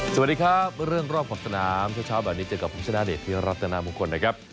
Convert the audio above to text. สวัสดีครับวันเรื่องรอบของสนามเช้าเช้าแบบนี้เจอกับพุทธชนะเดชน์ที่รับแต่งน้ำของคนนะครับ